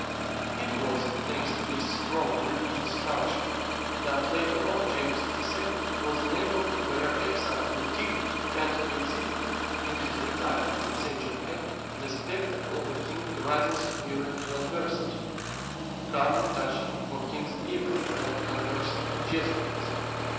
It was, thanks to this strong religious nourishment, that, later on, James II. was enabled to bear exile with dignity, and to exhibit, in his retirement at Saint Germain, the spectacle of a king rising superior to adversity, calmly touching for king's evil, and conversing with Jesuits.